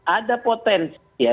ada potensi ya